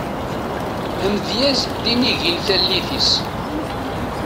Amedyaz d inigi n tallit-is.